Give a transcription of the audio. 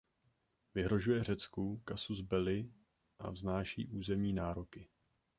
Vyhrožuje Řecku casus belli a vznáší územní nároky.